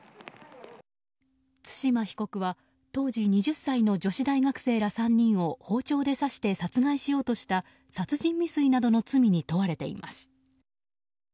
対馬被告は当時２０歳の女子大学生ら３人を包丁で刺して殺害しようとした殺人未遂などの罪に問われています。